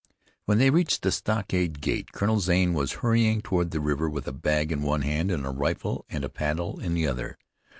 When they reached the stockade gate Colonel Zane was hurrying toward the river with a bag in one hand, and a rifle and a paddle in the other.